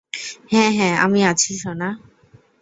হ্যাঁ, হ্যাঁ, আমি আছি, সোনা!